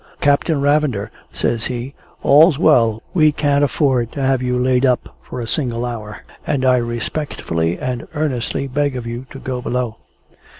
"Captain Ravender," says he, "all's well; we can't afford to have you laid up for a single hour; and I respectfully and earnestly beg of you to go below."